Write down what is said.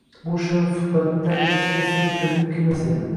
Bu shirin suhbatni tark etishga sira ko’zim qiymas edi.